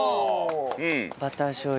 バターしょう油。